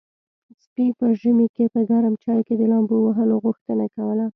سپي په ژمي کې په ګرم چای کې د لامبو وهلو غوښتنه کوله.